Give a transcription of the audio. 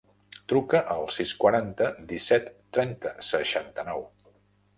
Truca al sis, quaranta, disset, trenta, seixanta-nou.